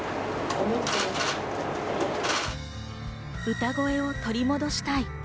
歌声を取り戻したい。